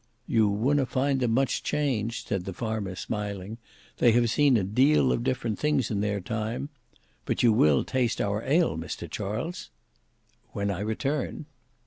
"You wunna find them much changed," said the farmer, smiling. "They have seen a deal of different things in their time! But you will taste our ale, Mr Charles?" "When I return."